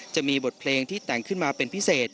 จะมีบทเพลงที่แต่งขึ้นมาเป็นพิเศษ